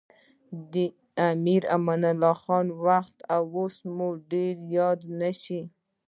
د امیر امان الله خان وخت و اوس مو ډېر یاد نه شي.